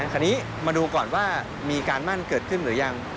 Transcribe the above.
คราวนี้มาดูก่อนว่ามีการมั่นเกิดขึ้นหรือยัง